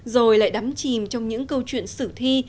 rồi lại đắm chìm trong những câu chuyện sử thi